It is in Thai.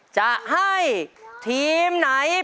จะให้ทีมไหน